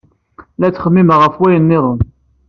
La ttxemmimeɣ ɣef wayen niḍen.